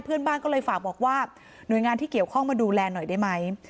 เพื่อนบ้านก็เลยฝากบอกว่าหน่วยงานที่เกี่ยวข้องมาดูแลหน่อยได้ไหม